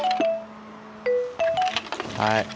はい。